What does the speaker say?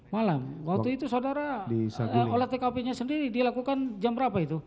malam waktu itu saudara olah tkp nya sendiri dilakukan jam berapa itu